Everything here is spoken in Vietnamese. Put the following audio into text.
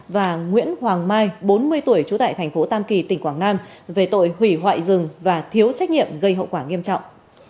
và nguyễn hoàng mai bốn mươi tuổi trú tại thành phố tam kỳ tỉnh quảng nam về tội hủy hoại rừng và thiếu trách nhiệm gây hậu quả nghiêm trọng